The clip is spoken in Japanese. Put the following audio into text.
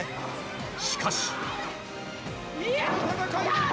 しかし。